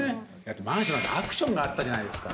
マンションアクションがあったじゃないですか。